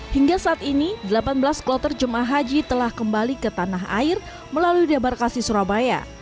hingga saat ini delapan belas kloter jemaah haji telah kembali ke tanah air melalui debarkasi surabaya